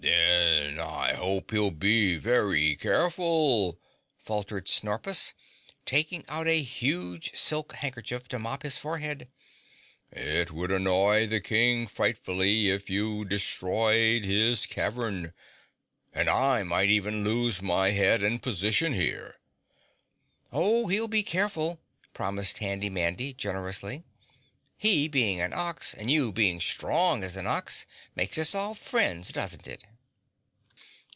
"Then I hope he'll be very careful," faltered Snorpus, taking out a huge silk handkerchief to mop his forehead. "It would annoy the King frightfully if you destroyed his cavern, and I might even lose my head and position here." "Oh, he'll be careful," promised Handy Mandy generously. "He, being an ox, and you being strong as an ox, makes us all friends, doesn't it?"